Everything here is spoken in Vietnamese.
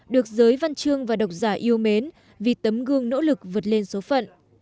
được giới văn chương và độc giả yêu mến vì tấm gương nỗ lực vượt lên số phận